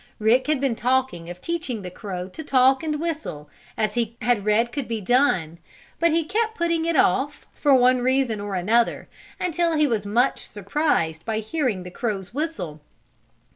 Rick had been talking of teaching the crow to talk and whistle, as he had read could be done. But he kept putting it off, for one reason and another, until he was much surprised by hearing the crow's whistle.